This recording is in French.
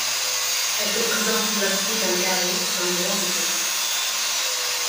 Elle se présente sous l'aspect d'un carré d'environ de côté.